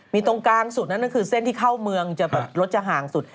มีตรงกลางสุดนั่นก็คือเส้นที่เข้าเมืองจะแบบรถจะห่างสุด